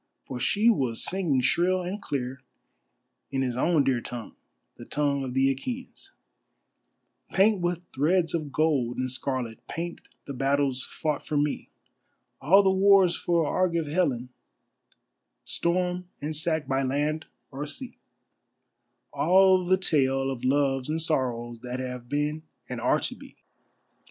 For she was singing shrill and clear in his own dear tongue, the tongue of the Achæans: Paint with threads of gold and scarlet, paint the battles fought for me, All the wars for Argive Helen; storm and sack by land or sea; All the tale of loves and sorrows that have been and are to be.